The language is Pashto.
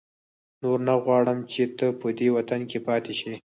نور نه غواړم چې ته په دې وطن کې پاتې شې.